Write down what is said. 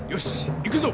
行くぞ！